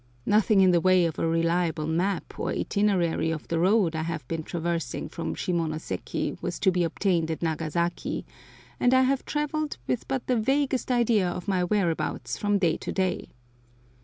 Nothing in the way of a reliable map or itinerary of the road I have been traversing from Shimonoseki was to be obtained at Nagasaki, and I have travelled with but the vaguest idea of my whereabouts from day to day.